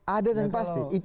ada dan pasti